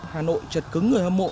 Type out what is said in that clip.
hà nội trật cứng người hâm mộ